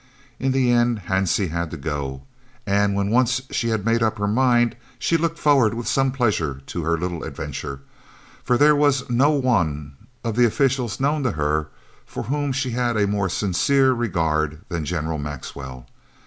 In the end Hansie had to go, and when once she had made up her mind she looked forward with some pleasure to her little adventure, for there was no one of the officials known to her for whom she had a more sincere regard than General Maxwell.